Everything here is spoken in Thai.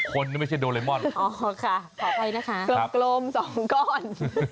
คนไม่ใช่โดเรมอนอ๋อค่ะขออภัยนะคะกลมสองก้อน